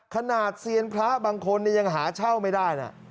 ขนาดเซียนพระบางคนเนี่ยยังหาเช่าไม่ได้นะ